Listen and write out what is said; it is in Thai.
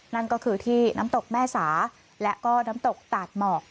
นั่นก็คือที่น้ำตกแม่สาและก็น้ำตกตาดหมอก